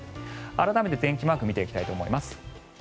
改めて天気マークを見ていきたいと思います。